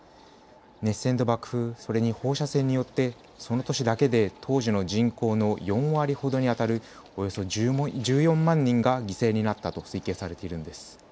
熱線と爆風、そして放射線によってその年だけで当時の人口の４割ほどにあたるおよそ１４万人が犠牲になったと推計されているんです。